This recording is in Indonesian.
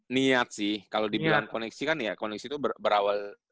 niat sih kalau dibilang koneksi kan ya koneksi tuh berawal